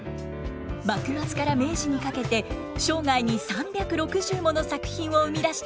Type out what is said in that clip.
幕末から明治にかけて生涯に３６０もの作品を生み出した黙阿弥。